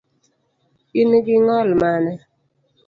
Ingi ng’ol mane?